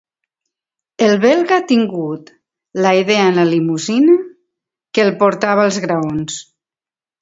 El belga ha tingut la idea en la limusina que el portava als graons.